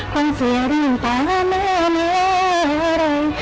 ความเสียลืมตาไม่เอาเหนื่อย